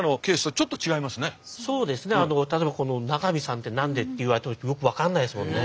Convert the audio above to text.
例えば詠さんって何でって言われてもよく分からないですもんね。